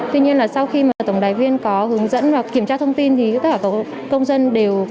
tuy nhiên là sau khi mà tổng đài viên có hướng dẫn và kiểm tra thông tin thì tất cả các công dân đều cảm thấy hài lòng